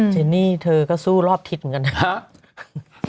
เจนนี่เธอก็สู้รอบทิศเหมือนกัน